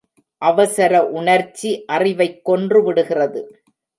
அவசர உணர்ச்சி அறிவைக் கொன்று விடுகிறது.